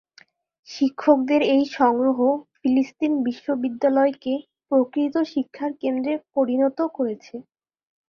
শিক্ষকদের এই সংগ্রহ ফিলিস্তিন বিশ্ববিদ্যালয়কে প্রকৃত শিক্ষার কেন্দ্রে পরিণত করেছে।